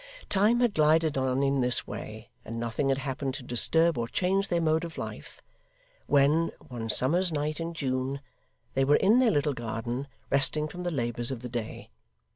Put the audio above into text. Time had glided on in this way, and nothing had happened to disturb or change their mode of life, when, one summer's night in June, they were in their little garden, resting from the labours of the day.